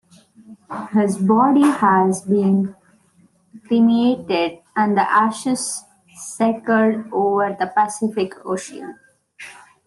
His body had been cremated and the ashes scattered over the Pacific Ocean.